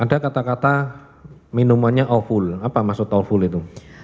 ada kata kata minumannya awful apa maksud awful itu